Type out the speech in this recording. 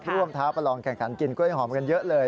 ท้าประลองแข่งขันกินกล้วยหอมกันเยอะเลย